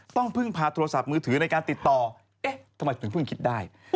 พึ่งพาโทรศัพท์มือถือในการติดต่อเอ๊ะทำไมถึงเพิ่งคิดได้